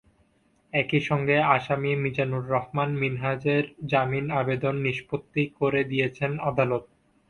একই সঙ্গে আসামি মিজানুর রহমান মিনহাজের জামিন আবেদন নিষ্পত্তি করে দিয়েছেন আদালত।